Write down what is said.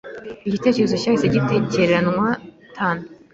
iki gitekerezo cyahise gitereranwa nantu